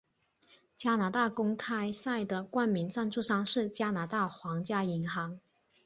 加拿大公开赛的冠名赞助商是加拿大皇家银行。